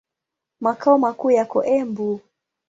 Makao makuu yako Embu.